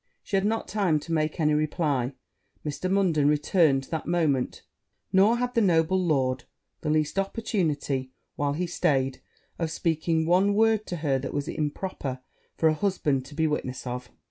She had not time to make any reply Mr. Munden returned that moment nor had the noble lord the least opportunity, while he staid, of speaking one word to her that was improper for a husband to be witness of.